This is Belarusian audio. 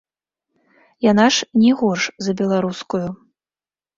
Яна ж не горш за беларускую.